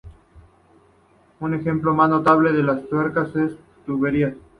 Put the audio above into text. Los ejemplos más notables son las tuercas y las tuberías.